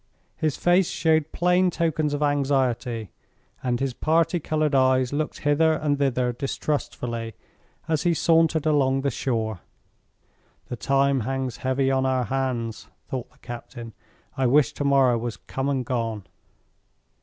His face showed plain tokens of anxiety, and his party colored eyes looked hither and thither distrustfully, as he sauntered along the shore. "The time hangs heavy on our hands," thought the captain. "I wish to morrow was come and gone."